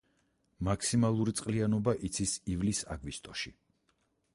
მაქსიმალური წყლიანობა იცის ივლის-აგვისტოში.